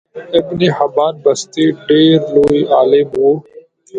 ابن حبان بستي ډیر لوی عالم وو